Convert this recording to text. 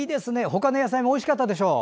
他の野菜もおいしかったでしょう。